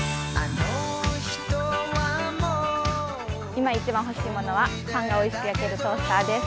今、一番欲しいものはパンがおいしく焼けるトースターです。